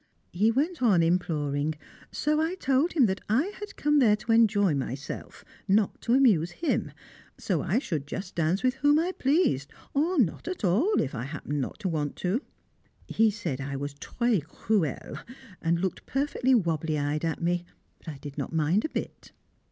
He went on imploring; so I told him that I had come there to enjoy myself, not to amuse him, so I should just dance with whom I pleased, or not at all if I happened not to want to. He said I was "très cruelle," and looked perfectly wobbly eyed at me, but I did not mind a bit.